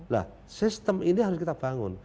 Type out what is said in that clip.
nah sistem ini harus kita bangun